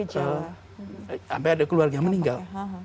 sampai ada keluarga meninggal